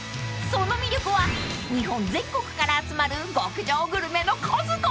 ［その魅力は日本全国から集まる極上グルメの数々！］